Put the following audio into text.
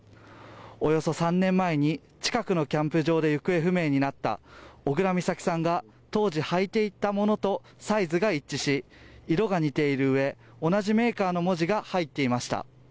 およそ３年前に近くのキャンプ場で行方不明になった当時、履いていたものとサイズが一致し色が似ているうえ、同じメーカーの文字が入っていました。